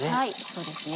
そうですね。